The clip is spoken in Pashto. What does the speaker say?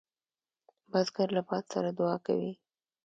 بزګر له باد سره دعا کوي